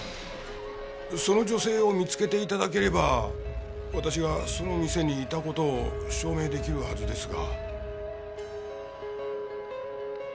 その女性を見つけて頂ければ私がその店にいた事を証明できるはずですが。